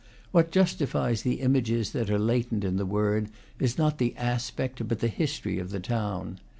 What justifies the images that are latent in the word is not the aspect, but the history, of the town.